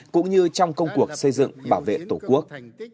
cũng như trong công cuộc xây dựng bảo vệ tổ quốc